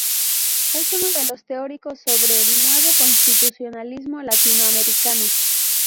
Es uno de los teóricos sobre el "Nuevo constitucionalismo latinoamericano".